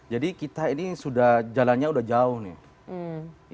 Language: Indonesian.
jadi kita ini sudah jalannya sudah jauh nih